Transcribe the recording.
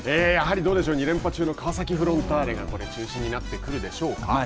やはり、どうでしょう２連覇中の川崎フロンターレが中心になってくるでしょうか？